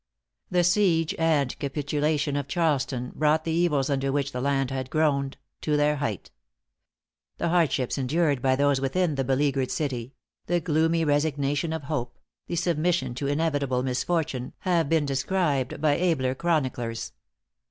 The siege and capitulation of Charleston brought the evils under which the land had groaned, to their height. The hardships endured by those within the beleaguered city the gloomy resignation of hope the submission to inevitable misfortune, have been described by abler chroniclers.